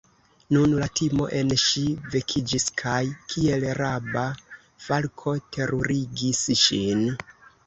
Nun la timo en ŝi vekiĝis kaj kiel raba falko terurigis ŝin.